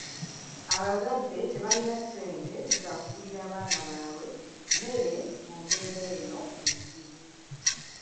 Abazadde tebalina ssente za kugulira baana baabwe mmere mu mbeera eno enzibu.